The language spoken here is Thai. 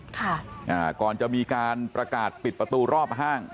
ค่ะอ่าก่อนจะมีการประกาศปิดประตูรอบห้าง